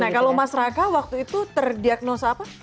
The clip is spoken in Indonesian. nah kalau mas raka waktu itu terdiagnosa apa